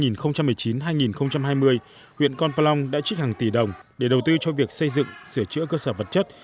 năm hai nghìn hai mươi huyện con palong đã trích hàng tỷ đồng để đầu tư cho việc xây dựng sửa chữa cơ sở vật chất